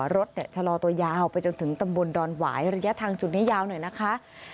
รถชะลอตัวยาวไปจนถึงตำบลดอนหวายระยะทางจุดนี้ยาวหน่อยนะคะ